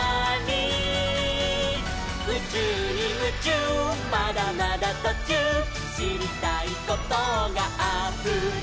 「うちゅうにムチューまだまだとちゅう」「しりたいことがあふれる」